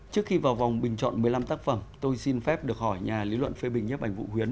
trước khi vào vòng bình chọn một mươi năm tác phẩm tôi xin phép được hỏi nhà lý luận phê bình nhấp ảnh vũ huyến